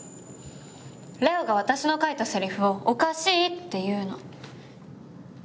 礼央が私の書いたせりふをおかしいって言うの。